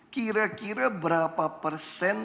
kira kira berapa persen